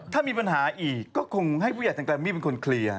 ถ้ามีปัญหาอีกก็คงให้ผู้ใหญ่ทางแกรมมี่เป็นคนเคลียร์